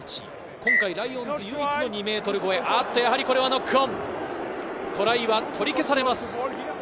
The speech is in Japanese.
今回ライオンズ唯一の２ｍ超え、やはりこれはノックオン、トライは取り消されます。